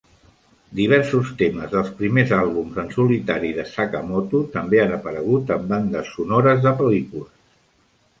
Diversos temes dels primers àlbums en solitari de Sakamoto també han aparegut en bandes sonores de pel·lícules.